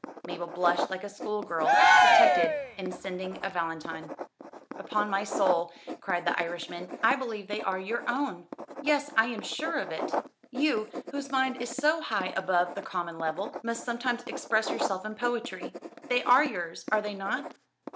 Mabel blushed like a schoolgirl detected in sending a valentine. "Upon my soul," cried the Irishman, "I believe they are your own! Yes, I am sure of it. You, whose mind is so high above the common level, must sometimes express yourself in poetry. They are yours, are they not?"